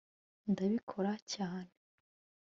ndabikora cyane